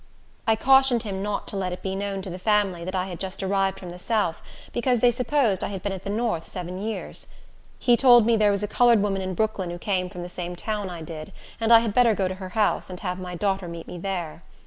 I cautioned him not to let it be known to the family that I had just arrived from the south, because they supposed I had been at the north seven years. He told me there was a colored woman in Brooklyn who came from the same town I did, and I had better go to her house, and have my daughter meet me there.